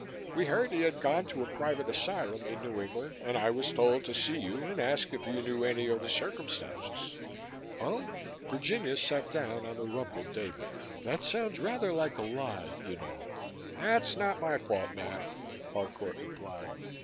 We heard he had gone to a private asylum in New England and I was told to see you and ask if you knew any of the circumstances." "Oh!" Virginia sat down on the rumpled day bed. "That sounds rather like a lie, you know." "That's not my fault, mam," Harcourt replied.